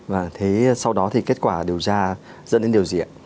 và thế sau đó thì kết quả điều tra dẫn đến điều gì ạ